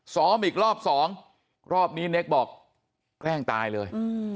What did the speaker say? ซ้อมอีกรอบสองรอบนี้เน็กบอกแกล้งตายเลย